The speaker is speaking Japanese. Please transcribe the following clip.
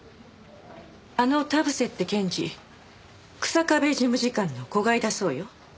あの田臥って検事日下部事務次官の子飼いだそうよ。